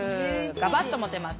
ガバッと持てます。